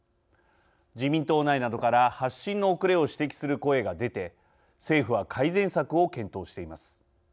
自民党内などから発信の遅れを指摘する声が出て政府は改善策を検討しています。